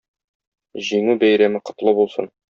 Җиңү Бәйрәме котлы булсын!